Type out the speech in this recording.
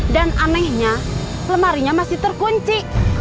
dan anehnya lemarinya masih terkunci